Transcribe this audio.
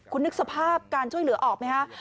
คุณนึกสภาพการช่วยเหลือออกไหมคะ